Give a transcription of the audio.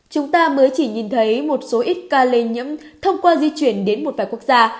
chúng ta mới chỉ nhìn thấy một số ít ca lây nhiễm thông qua di chuyển đến một vài quốc gia